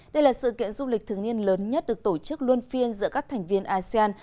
đây là sự kiện du lịch thường niên lớn nhất được tổ chức luôn phiên giữa các thành viên asean